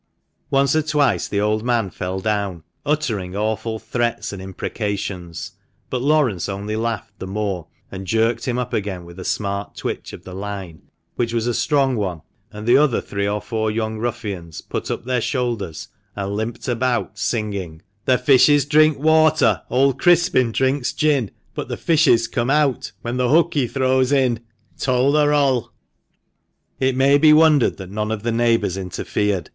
Once or twice the old man fell down, uttering awful threats and imprecations ; but Laurence only laughed the more, and jerked him up again with a smart twitch of the line, which was a strong one, and the other three or four young ruffians put up their shoulders, and limped about singing —" The fishes drink water, Old Crispin drinks gin ; But the fishes come out When the hook he throws in. Tol de rol." THE MANCHESTER MAN. 105 It may be wondered that none of the neighbours interfered.